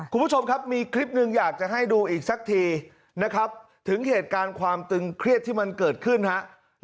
คุณผู้ชมครับมีคลิปหนึ่งอยากจะให้ดูอีกสักทีนะครับถึงเหตุการณ์ความตึงเครียดที่มันเกิดขึ้นครับ